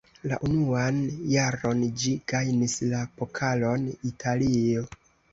La unuan jaron ĝi gajnis la Pokalon Italio.